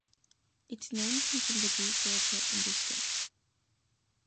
Its name comes from the Greek word for "indistinct".